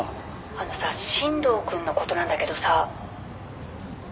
「あのさ新藤くんの事なんだけどさ」